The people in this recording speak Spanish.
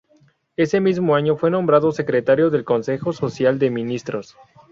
Ese mismo año fue nombrado secretario del Consejo Social de Ministros.